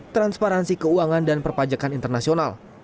transparansi keuangan dan perpajakan internasional